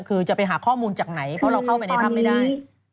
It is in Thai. คือจะไปหาข้อมูลจากไหนเพราะเราเข้าไปในถ้ำไม่ได้